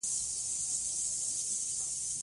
احمدشاه بابا د ولس د خوشحالیلپاره کار کاوه.